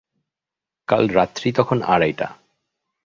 কাল রাত্রি তখন আড়াইটা।